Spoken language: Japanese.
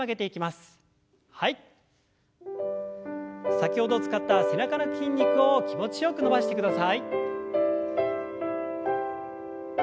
先ほど使った背中の筋肉を気持ちよく伸ばしてください。